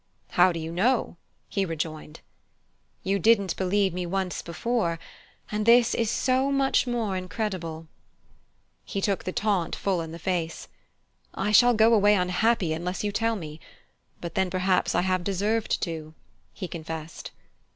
"How do you know?" he rejoined. "You didn't believe me once before; and this is so much more incredible." He took the taunt full in the face. "I shall go away unhappy unless you tell me but then perhaps I have deserved to," he confessed.